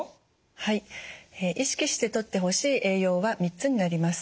はい意識してとってほしい栄養は３つになります。